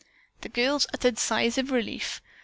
The girls uttered sighs of relief.